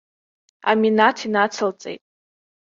Аминаҭ инацылҵеит.